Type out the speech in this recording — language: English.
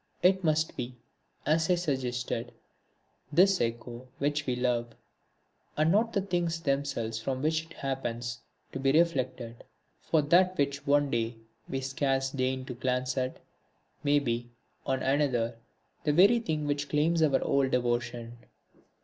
It must be, as I suggested, this Echo which we love, and not the things themselves from which it happens to be reflected; for that which one day we scarce deign to glance at, may be, on another, the very thing which claims our whole devotion.